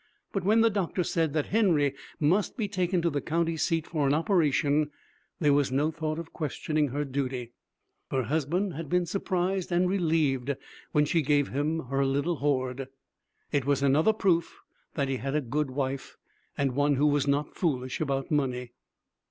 But when the doctor said that Henry must be taken to the county seat for an operation, there was no thought of questioning her duty. Her husband had been surprised and relieved when she gave him her little hoard. It was another proof that he had a good wife, and one who was not foolish about money.